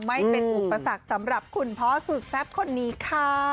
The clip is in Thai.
ไม่เป็นอุปสรรคสำหรับคุณพ่อสุดแซ่บคนนี้ค่ะ